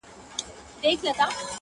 • په څو ځلي مي ستا د مخ غبار مات کړی دی.